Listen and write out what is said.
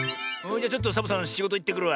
じゃちょっとサボさんしごといってくるわ。